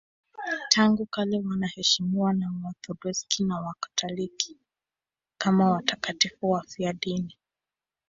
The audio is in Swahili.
Tangu kale wanaheshimiwa na Waorthodoksi na Wakatoliki kama watakatifu wafiadini.